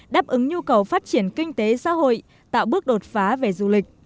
đáp ứng nhu cầu phát triển kinh tế xã hội tạo bước đột phá về du lịch